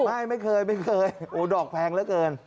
ไม่ไม่เคยไม่เคยโอ้ดอกแพงแล้วเกิน